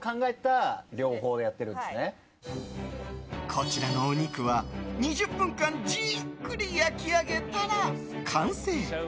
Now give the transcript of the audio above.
こちらのお肉は、２０分間じっくり焼き上げたら完成。